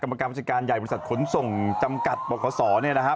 กรรมการผู้จัดการใหญ่บริษัทขนส่งจำกัดปคศเนี่ยนะครับ